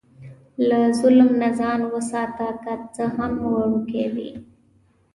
له ظلم نه ځان وساته، که څه هم وړوکی وي.